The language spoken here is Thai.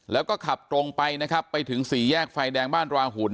แล้วก็ขับตรงไปนะครับไปถึงสี่แยกไฟแดงบ้านราหุ่น